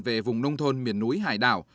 về vùng nông thôn miền núi hải đảo